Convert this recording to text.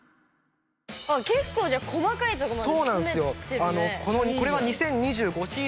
結構、じゃあ細かいとこまで詰めてるね。